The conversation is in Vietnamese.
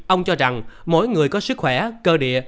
ông cho rằng mỗi người có sức khỏe cơ địa